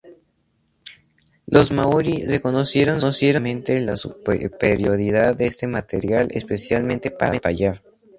Los maorí reconocieron rápidamente la superioridad de este material, especialmente para tallar.